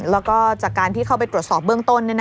แล้วก็จากการที่เข้าไปตรวจสอบเบื้องต้น